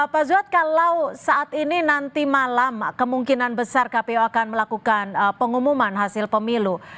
pak zuad kalau saat ini nanti malam kemungkinan besar kpu akan melakukan pengumuman hasil pemilu